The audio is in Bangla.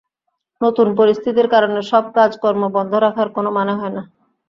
নতুন পরিস্থিতির কারণে সব কাজ কর্ম বন্ধ রাখার কোনো মানে হয় না।